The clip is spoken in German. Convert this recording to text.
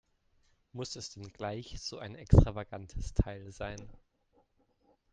Muss es denn gleich so ein extravagantes Teil sein?